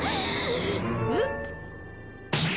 えっ？